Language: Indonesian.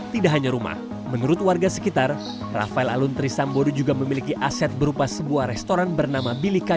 tidak hanya rumah menurut warga sekitar rafael alun trisambodo juga memiliki aset berupa sebuah restoran bernama bilika